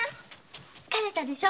疲れたでしょ